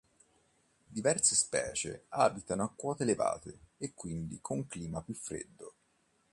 Diverse specie abitano a quote elevate e quindi con clima più freddo.